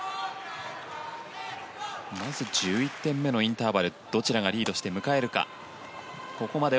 まず１１点目のインターバルどちらがリードして迎えるか。